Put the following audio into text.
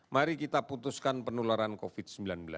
mari kita putuskan penularan covid sembilan belas